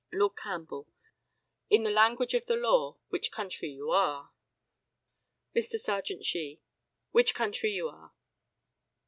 Lord CAMPBELL: In the language of the law "which country you are." Mr. Serjeant SHEE: Which country you are.